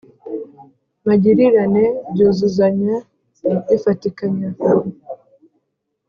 magirirane: byuzuzanya, bifatikanya